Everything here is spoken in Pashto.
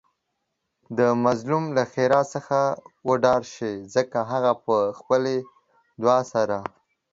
د مظلوم له ښیرا څخه وډار شئ ځکه هغه په خپلې دعاء سره